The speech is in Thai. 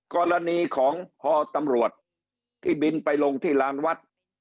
กรณีของพอตำรวจที่บินไปลงที่ลานวัด